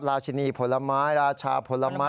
ราชินีผลไม้ราชาผลไม้